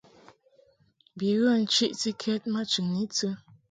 Bi ghə nchiʼtikɛd ma chɨŋni tɨ.